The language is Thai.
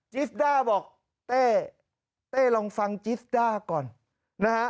จิสด้าบอกเต้ลองฟังจิสด้าก่อน